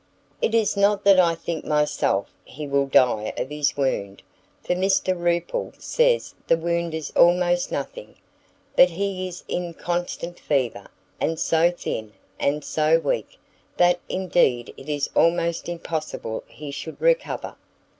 "It is not that I think myself he will die of his wound, for Mr Rupil says the wound is almost nothing; but he is in a constant fever, and so thin, and so weak, that indeed it is almost impossible he should recover!"